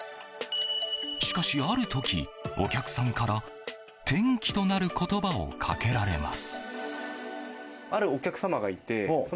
しかしある時、お客さんから転機となる言葉をかけられます。